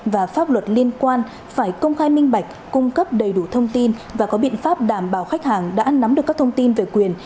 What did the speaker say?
và pháp luật liên quan phải công khai minh bạch cung cấp đầy đủ thông tin và có biện pháp đảm bảo khách hàng đã nắm được các thông tin về quyền